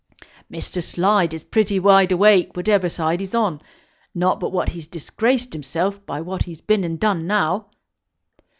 "Mr. Slide is pretty wide awake whatever side he's on. Not but what he's disgraced himself by what he's been and done now."